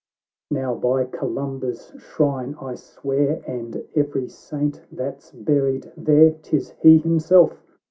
— xv " Now, by Columba's shrine, I swear, And every saint that's buried there, 'Tis he himself!"